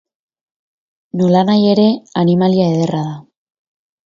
Nolanahi ere, animalia ederra da.